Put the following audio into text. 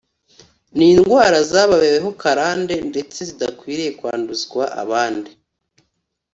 ni indwara zababayeho karande ndetse zidakwiye kwanduzwa abandi